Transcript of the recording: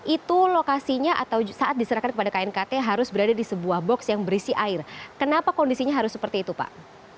itu lokasinya atau saat diserahkan kepada knkt harus berada di sebuah box yang berisi air kenapa kondisinya harus seperti itu pak